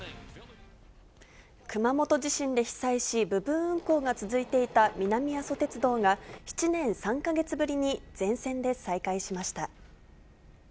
熊本地震で被災し、部分運行が続いていた南阿蘇鉄道が、７年３か月ぶりに全線で再開しました。